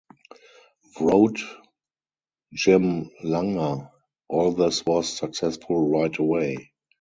Wrote Jim Langer, All this was successful right away.